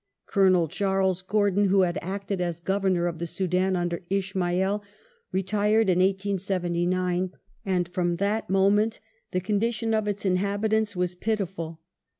Colonel Charles Gordon, who had acted as Governor of the Soudan under Ismail, retired in 1879, and from that moment the condition of its inhabitants was pitiful.